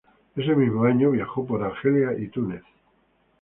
Ese mismo año viajó por Argelia y Túnez.